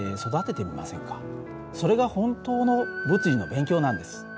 それが本当の物理の勉強なんです。